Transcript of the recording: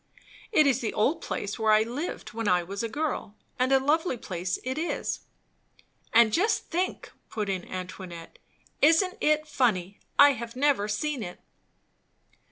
It is the old place where I lived when I was a girl; and a lovely place it is." "And just think!" put in Antoinette. "Isn't it funny? I have never seen it."